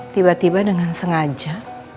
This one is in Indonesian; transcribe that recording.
tiba tiba dengan sengaja